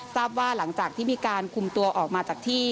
ทราบว่าหลังจากที่มีการคุมตัวออกมาจากที่